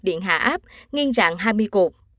một điện hạ áp nghiên dạng hai mươi cột